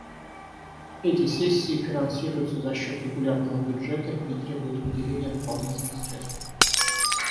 Эти сессии финансируются за счет регулярного бюджета и не требуют выделения дополнительных средств.